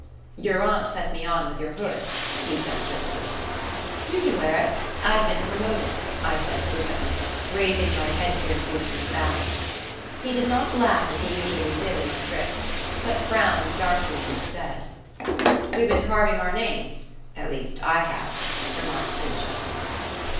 "Your aunt sent me on with your hood," he said jerkily. "You can wear it I've been promoted," I said flippantly, raising my head gear to him and bowing. He did not laugh as he usually did at my tricks, but frowned darkly instead. "We've been carving our names at least, I have," remarked Goodchum.